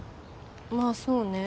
まあそうね。